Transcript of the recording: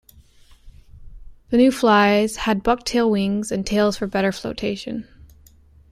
The new flies had bucktail wings and tails for better floatation.